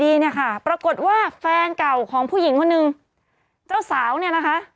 เนี่ยค่ะปรากฏว่าแฟนเก่าของผู้หญิงคนนึงเจ้าสาวเนี่ยนะคะ